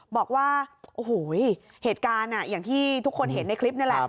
บอกว่าโอ้โหเหตุการณ์อย่างที่ทุกคนเห็นในคลิปนี่แหละ